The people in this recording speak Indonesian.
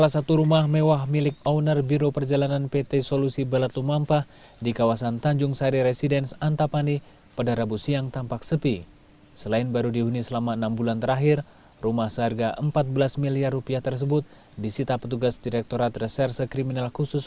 sebelumnya ratusan calon jemaah ini ditentukan